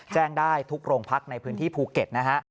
แจ้งได้ทุกโรงพักในพื้นที่ภูเก็ตนะฮะ